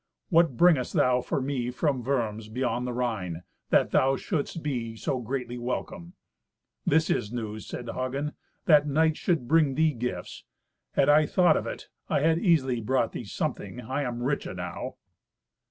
What bringest thou for me from Worms, beyond the Rhine, that thou shouldst be so greatly welcome?" "This is news," said Hagen, "that knights should bring thee gifts. Had I thought of it, I had easily brought thee something. I am rich enow."